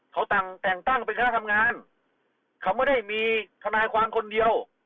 เขาแต่งแต่งตั้งเป็นคณะทำงานเขาไม่ได้มีทนายความคนเดียว